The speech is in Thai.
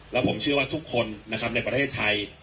แล้วผมเชื่อว่าทุกคนนะครับในประเทศไทย